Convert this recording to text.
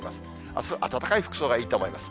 あす、暖かい服装がいいと思います。